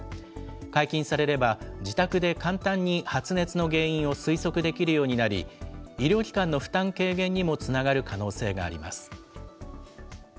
解禁されれば、自宅で簡単に発熱の原因を推測できるようになり、医療機関の負担軽減にもつながる可能性があります。